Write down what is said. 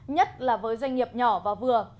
nhất là với doanh nghiệp nhỏ và vừa